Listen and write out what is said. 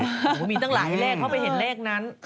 โอ้โหมีตั้งหลายเลขเขาไปเห็นเลขนั้น